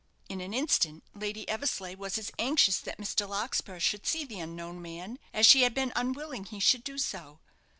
In an instant Lady Eversleigh was as anxious that Mr. Larkspur should see the unknown man as she had been unwilling he should do so.